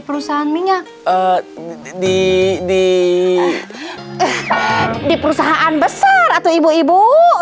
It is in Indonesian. perusahaan minyak di perusahaan besar atau ibu ibu